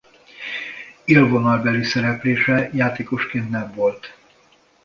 Élvonalbeli szereplése játékosként nem volt.